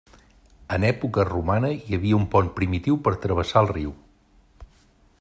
En època romana hi havia un pont primitiu per travessar el riu.